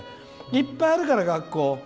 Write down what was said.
いっぱいあるから、学校。